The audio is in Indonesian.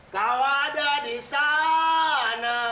kau ada disana